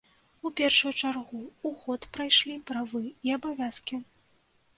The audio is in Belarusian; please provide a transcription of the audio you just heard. У першую чаргу ў ход прайшлі правы і абавязкі.